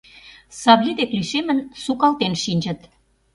Савлий деке лишемын, сукалтен шинчыт.